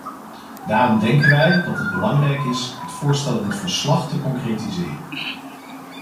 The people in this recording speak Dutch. Daarom denken wij dat het belangrijk is het voorstel in het verslag te concretiseren.